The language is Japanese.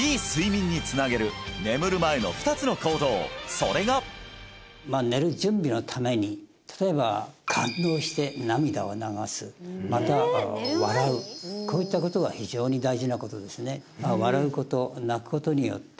それがまあ寝る準備のために例えば感動して涙を流すまたは笑うこういったことが非常に大事なことですね